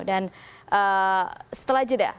dan setelah jeda